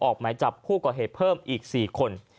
ออกหมายจับผู้ก่อเหตุเพิ่มอีก๔คน